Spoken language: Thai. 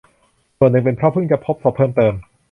ส่วนหนึ่งเป็นเพราะเพิ่งจะพบศพเพิ่มเติม